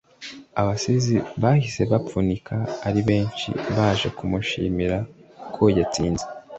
abasizi bahise bapfunuka ari benshi baje kumushimira ko yatsinze